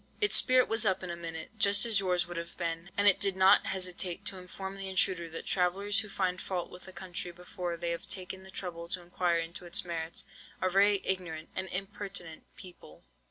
"Its spirit was up in a minute, just as yours would have been, and it did not hesitate to inform the intruder that travellers who find fault with a country before they have taken the trouble to inquire into its merits, are very ignorant and impertinent people.